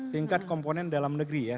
tingkat komponen dalam negeri ya